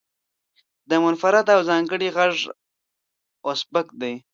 دی منفرد او ځانګړی غږ او سبک لري.